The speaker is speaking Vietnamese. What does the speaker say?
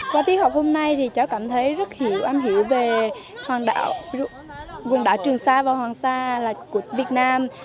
qua thi học hôm nay thì cháu cảm thấy rất hiểu âm hiểu về quần đảo trường sa và hoàng sa là của việt nam